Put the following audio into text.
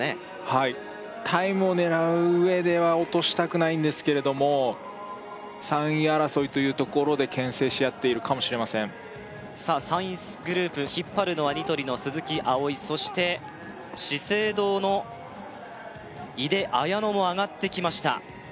はいタイムを狙う上では落としたくないんですけれども３位争いというところでけん制し合っているかもしれませんさあ３位グループ引っ張るのはニトリの鈴木葵そして資生堂の井手彩乃も上がってきました